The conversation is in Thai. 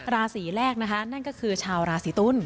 ราศีแรกนะคะนั่นก็คือชาวราศีตุล